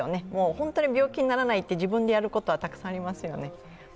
本当に病気にならないって自分でやることはたくさんありますよね。